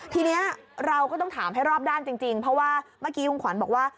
ทีนี้เราก็ต้องถามให้รอบด้านจริงเพราะว่าเมื่อกี้คุณขวัญบอกว่า